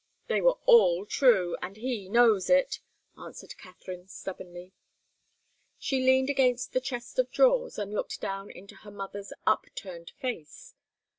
"They were all true, and he knows it," answered Katharine, stubbornly. She leaned against the chest of drawers, and looked down into her mother's upturned face.